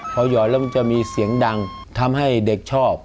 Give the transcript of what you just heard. พอหยอดแล้วมันจะมีเสียงดังทำให้เด็กชอบ